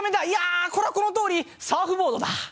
いやこりゃこのとおり「サーフボード」だ。